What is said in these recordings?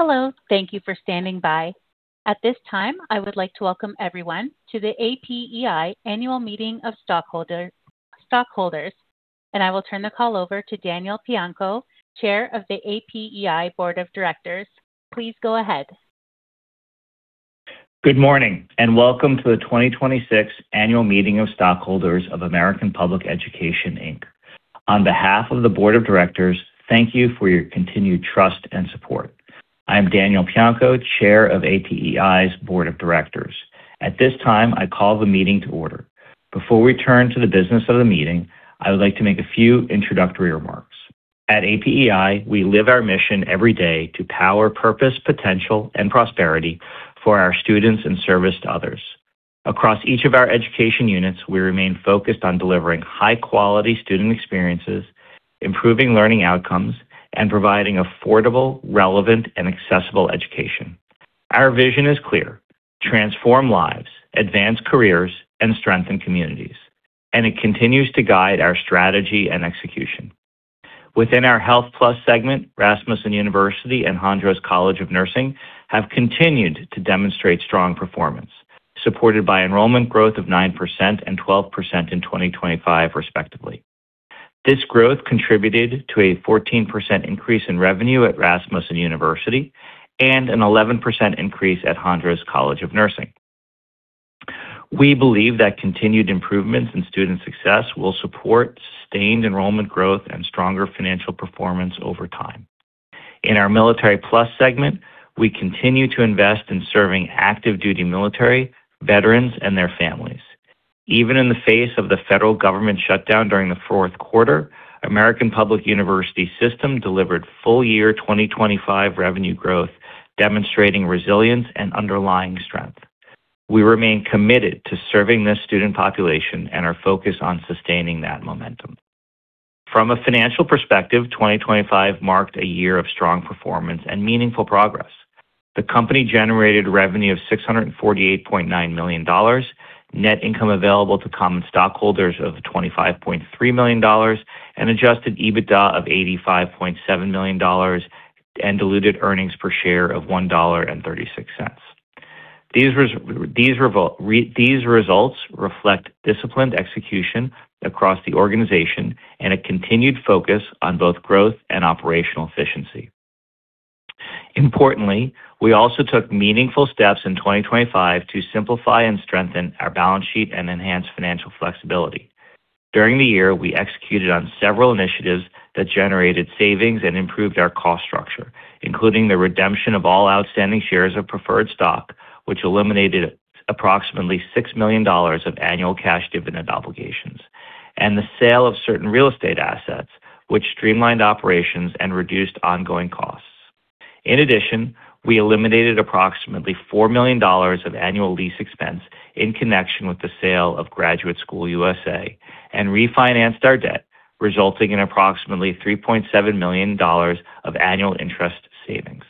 Hello. Thank you for standing by. At this time, I would like to welcome everyone to the APEI Annual Meeting of Stockholders. I will turn the call over to Daniel Pianko, Chair of the APEI Board of Directors. Please go ahead. Good morning. Welcome to the 2026 Annual Meeting of Stockholders of American Public Education, Inc. On behalf of the Board of Directors, thank you for your continued trust and support. I'm Daniel Pianko, Chair of APEI's Board of Directors. At this time, I call the meeting to order. Before we turn to the business of the meeting, I would like to make a few introductory remarks. At APEI, we live our mission every day to power purpose, potential, and prosperity for our students in service to others. Across each of our education units, we remain focused on delivering high-quality student experiences, improving learning outcomes, and providing affordable, relevant, and accessible education. Our vision is clear. Transform lives, advance careers, and strengthen communities. It continues to guide our strategy and execution. Within our Health+ segment, Rasmussen University and Hondros College of Nursing have continued to demonstrate strong performance, supported by enrollment growth of 9% and 12% in 2025, respectively. This growth contributed to a 14% increase in revenue at Rasmussen University and an 11% increase at Hondros College of Nursing. We believe that continued improvements in student success will support sustained enrollment growth and stronger financial performance over time. In our Military+ segment, we continue to invest in serving active duty military, veterans, and their families. Even in the face of the federal government shutdown during the fourth quarter, American Public University System delivered full year 2025 revenue growth, demonstrating resilience and underlying strength. We remain committed to serving this student population and are focused on sustaining that momentum. From a financial perspective, 2025 marked a year of strong performance and meaningful progress. The company generated revenue of $648.9 million, net income available to common stockholders of $25.3 million and adjusted EBITDA of $85.7 million and diluted earnings per share of $1.36. These results reflect disciplined execution across the organization and a continued focus on both growth and operational efficiency. Importantly, we also took meaningful steps in 2025 to simplify and strengthen our balance sheet and enhance financial flexibility. During the year, we executed on several initiatives that generated savings and improved our cost structure, including the redemption of all outstanding shares of preferred stock, which eliminated approximately $6 million of annual cash dividend obligations, and the sale of certain real estate assets, which streamlined operations and reduced ongoing costs. In addition, we eliminated approximately $4 million of annual lease expense in connection with the sale of Graduate School USA and refinanced our debt, resulting in approximately $3.7 million of annual interest savings.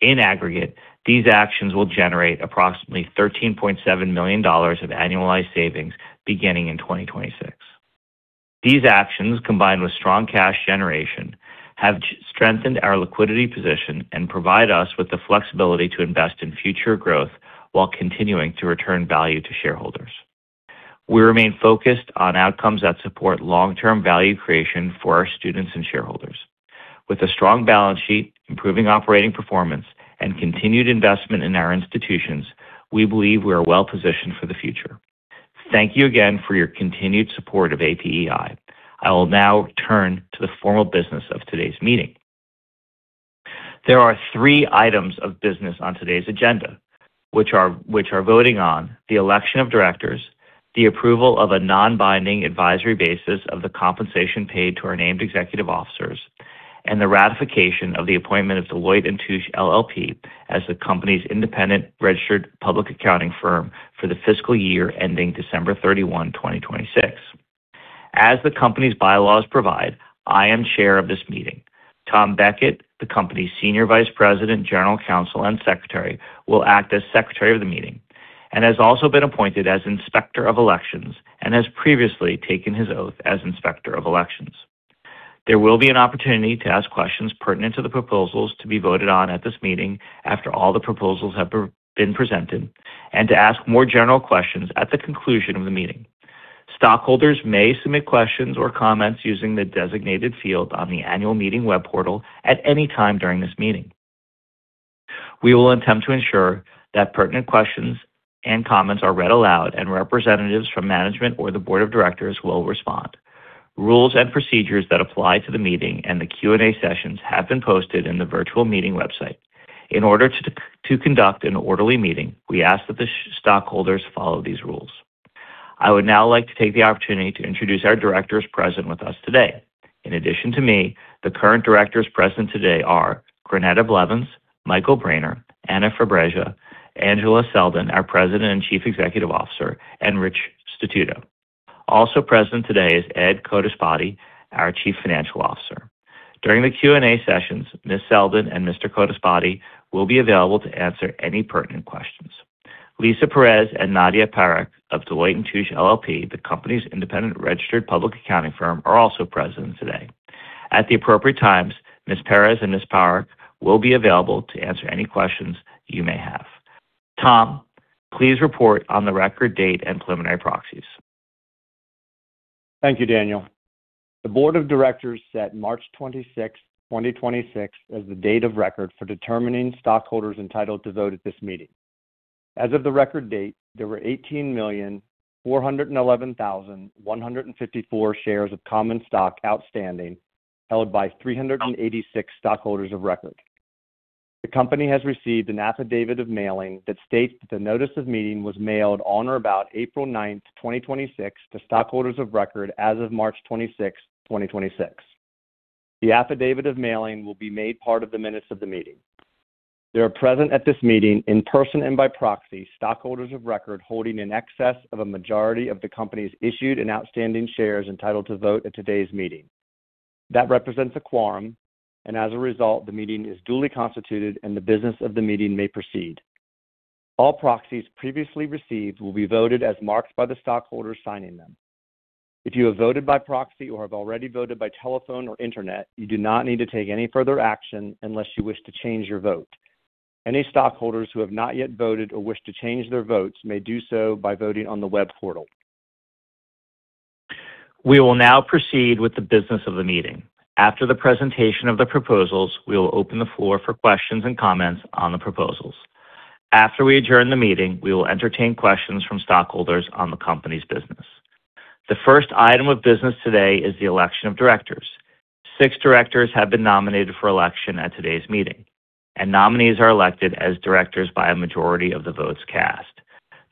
In aggregate, these actions will generate approximately $13.7 million of annualized savings beginning in 2026. These actions, combined with strong cash generation, have strengthened our liquidity position and provide us with the flexibility to invest in future growth while continuing to return value to shareholders. We remain focused on outcomes that support long-term value creation for our students and shareholders. With a strong balance sheet, improving operating performance, and continued investment in our institutions, we believe we are well-positioned for the future. Thank you again for your continued support of APEI. I will now turn to the formal business of today's meeting. There are three items of business on today's agenda, which are voting on the election of directors, the approval of a non-binding advisory basis of the compensation paid to our named executive officers, and the ratification of the appointment of Deloitte & Touche LLP as the company's independent registered public accounting firm for the fiscal year ending December 31, 2026. As the company's bylaws provide, I am chair of this meeting. Tom Beckett, the company's Senior Vice President, General Counsel, and Secretary, will act as Secretary of the Meeting and has also been appointed as Inspector of Elections and has previously taken his oath as Inspector of Elections. There will be an opportunity to ask questions pertinent to the proposals to be voted on at this meeting after all the proposals have been presented and to ask more general questions at the conclusion of the meeting. Stockholders may submit questions or comments using the designated field on the annual meeting web portal at any time during this meeting. We will attempt to ensure that pertinent questions and comments are read aloud and representatives from management or the board of directors will respond. Rules and procedures that apply to the meeting and the Q&A sessions have been posted in the virtual meeting website. In order to conduct an orderly meeting, we ask that the stockholders follow these rules. I would now like to take the opportunity to introduce our directors present with us today. In addition to me, the current directors present today are Granetta Blevins, Michael Braner, Anna Fabrega, Angela Selden, our President and Chief Executive Officer, and Richard Statuto. Also present today is Ed Codispoti, our Chief Financial Officer. During the Q&A sessions, Ms. Selden and Mr. Codispoti will be available to answer any pertinent questions. Lissa Perez and Nadia Parekh of Deloitte & Touche LLP, the company's independent registered public accounting firm, are also present today. At the appropriate times, Ms. Perez and Ms. Parekh will be available to answer any questions you may have. Tom, please report on the record date and preliminary proxies. Thank you, Daniel. The board of directors set March 26, 2026, as the date of record for determining stockholders entitled to vote at this meeting. As of the record date, there were 18,411,154 shares of common stock outstanding held by 386 stockholders of record. The company has received an affidavit of mailing that states that the notice of meeting was mailed on or about April 9, 2026, to stockholders of record as of March 26, 2026. The affidavit of mailing will be made part of the minutes of the meeting. There are present at this meeting, in person and by proxy, stockholders of record holding in excess of a majority of the company's issued and outstanding shares entitled to vote at today's meeting. That represents a quorum, and as a result, the meeting is duly constituted, and the business of the meeting may proceed. All proxies previously received will be voted as marked by the stockholders signing them. If you have voted by proxy or have already voted by telephone or internet, you do not need to take any further action unless you wish to change your vote. Any stockholders who have not yet voted or wish to change their votes may do so by voting on the web portal. We will now proceed with the business of the meeting. After the presentation of the proposals, we will open the floor for questions and comments on the proposals. After we adjourn the meeting, we will entertain questions from stockholders on the company's business. The first item of business today is the election of directors. six directors have been nominated for election at today's meeting, and nominees are elected as directors by a majority of the votes cast.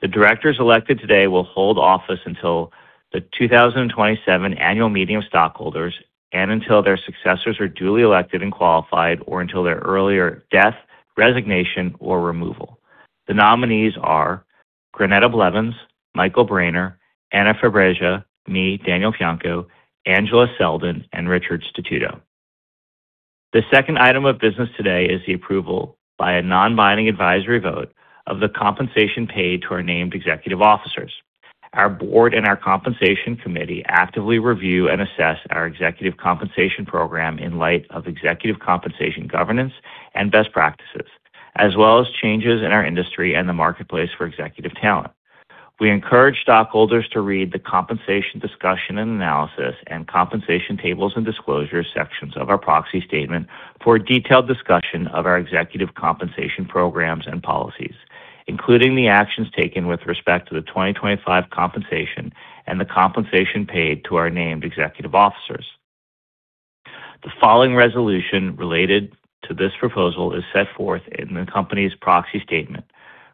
The directors elected today will hold office until the 2027 annual meeting of stockholders and until their successors are duly elected and qualified, or until their earlier death, resignation, or removal. The nominees are Granetta Blevins, Michael Braner, Anna Fabrega, me, Daniel Pianko, Angela Selden, and Richard Statuto. The second item of business today is the approval by a non-binding advisory vote of the compensation paid to our named executive officers. Our board and our compensation committee actively review and assess our executive compensation program in light of executive compensation governance and best practices, as well as changes in our industry and the marketplace for executive talent. We encourage stockholders to read the compensation discussion and analysis and compensation tables and disclosure sections of our proxy statement for a detailed discussion of our executive compensation programs and policies, including the actions taken with respect to the 2025 compensation and the compensation paid to our named executive officers. The following resolution related to this proposal is set forth in the company's proxy statement.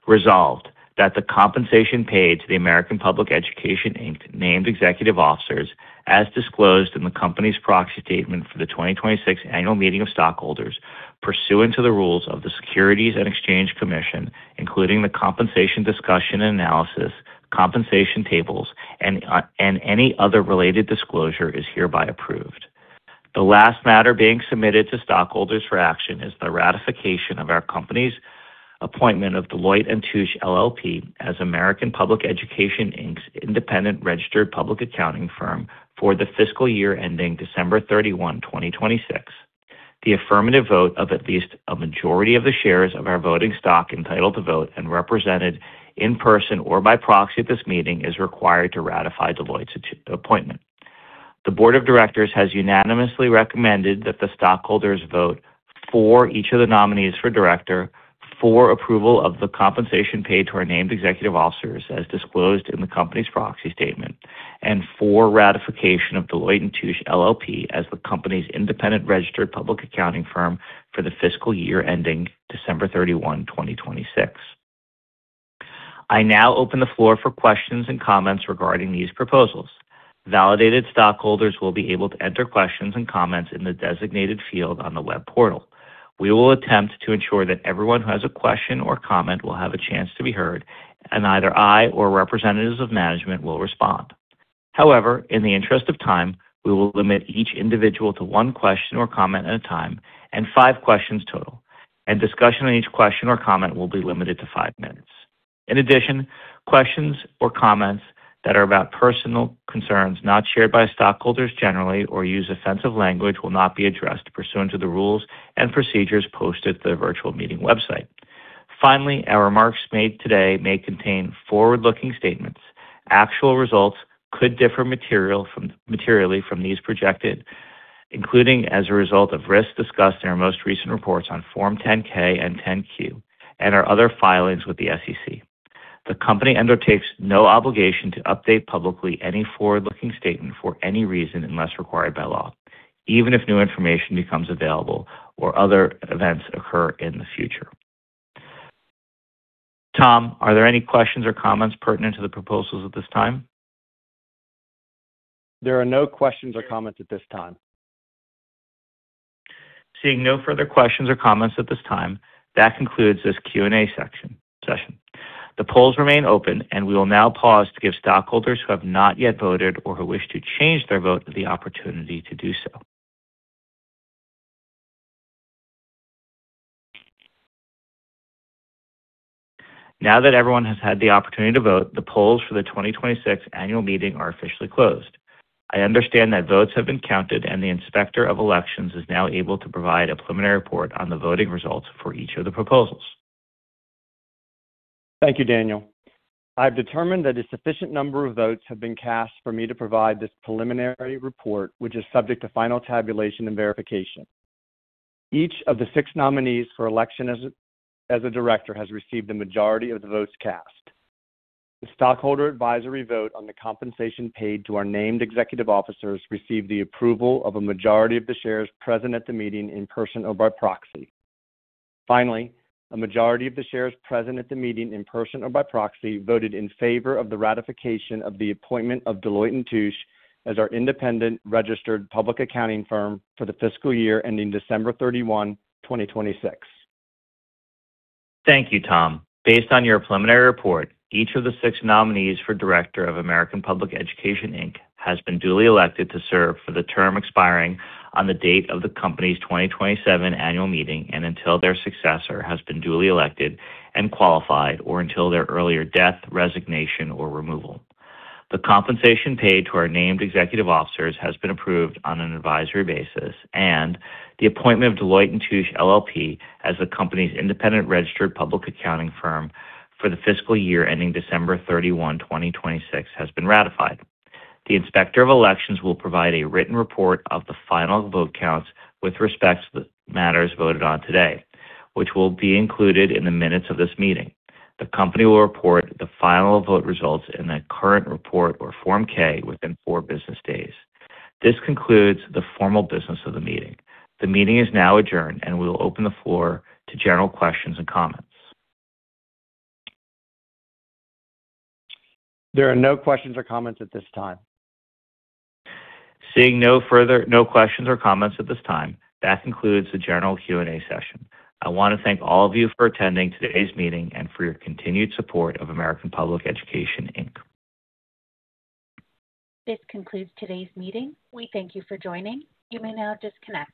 Resolved that the compensation paid to the American Public Education, Inc. named executive officers, as disclosed in the company's proxy statement for the 2026 annual meeting of stockholders pursuant to the rules of the Securities and Exchange Commission, including the compensation discussion and analysis, compensation tables, and any other related disclosure is hereby approved. The last matter being submitted to stockholders for action is the ratification of our company's appointment of Deloitte & Touche LLP as American Public Education, Inc.'s independent registered public accounting firm for the fiscal year ending December 31, 2026. The affirmative vote of at least a majority of the shares of our voting stock entitled to vote and represented in person or by proxy at this meeting is required to ratify Deloitte's appointment. The board of directors has unanimously recommended that the stockholders vote for each of the nominees for director for approval of the compensation paid to our named executive officers as disclosed in the company's proxy statement and for ratification of Deloitte & Touche LLP as the company's independent registered public accounting firm for the fiscal year ending December 31, 2026. I now open the floor for questions and comments regarding these proposals. Validated stockholders will be able to enter questions and comments in the designated field on the web portal. We will attempt to ensure that everyone who has a question or comment will have a chance to be heard, and either I or representatives of management will respond. However, in the interest of time, we will limit each individual to one question or comment at a time and five questions total, and discussion on each question or comment will be limited to 5 minutes. In addition, questions or comments that are about personal concerns not shared by stockholders generally or use offensive language will not be addressed pursuant to the rules and procedures posted at the virtual meeting website. Finally, our remarks made today may contain forward-looking statements. Actual results could differ materially from these projected, including as a result of risks discussed in our most recent reports on Form 10-K and 10-Q and our other filings with the SEC. The company undertakes no obligation to update publicly any forward-looking statement for any reason unless required by law, even if new information becomes available or other events occur in the future. Tom, are there any questions or comments pertinent to the proposals at this time? There are no questions or comments at this time. Seeing no further questions or comments at this time, that concludes this Q&A session. The polls remain open, and we will now pause to give stockholders who have not yet voted or who wish to change their vote the opportunity to do so. Now that everyone has had the opportunity to vote, the polls for the 2026 annual meeting are officially closed. I understand that votes have been counted, and the Inspector of Elections is now able to provide a preliminary report on the voting results for each of the proposals. Thank you, Daniel. I've determined that a sufficient number of votes have been cast for me to provide this preliminary report, which is subject to final tabulation and verification. Each of the six nominees for election as a director has received a majority of the votes cast. The stockholder advisory vote on the compensation paid to our named executive officers received the approval of a majority of the shares present at the meeting in person or by proxy. Finally, a majority of the shares present at the meeting, in person or by proxy, voted in favor of the ratification of the appointment of Deloitte & Touche as our independent registered public accounting firm for the fiscal year ending December 31, 2026. Thank you, Tom. Based on your preliminary report, each of the six nominees for Director of American Public Education, Inc. has been duly elected to serve for the term expiring on the date of the company's 2027 annual meeting and until their successor has been duly elected and qualified, or until their earlier death, resignation, or removal. The compensation paid to our named executive officers has been approved on an advisory basis, and the appointment of Deloitte & Touche LLP as the company's independent registered public accounting firm for the fiscal year ending December 31, 2026, has been ratified. The Inspector of Elections will provide a written report of the final vote counts with respect to the matters voted on today, which will be included in the minutes of this meeting. The company will report the final vote results in a current report or Form 8-K within four business days. This concludes the formal business of the meeting. The meeting is now adjourned, and we will open the floor to general questions and comments. There are no questions or comments at this time. Seeing no questions or comments at this time, that concludes the general Q&A session. I want to thank all of you for attending today's meeting and for your continued support of American Public Education, Inc. This concludes today's meeting. We thank you for joining. You may now disconnect.